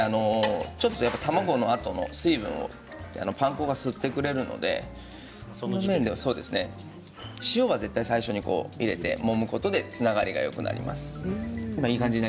卵のあとの水分をパン粉が吸ってくれるので塩は絶対に最初に入れてもむことでつながりがよくなります。